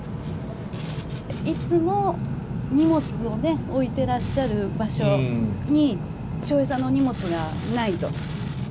いつも荷物をね、置いていらっしゃる場所に、笑瓶さんの荷物がないと。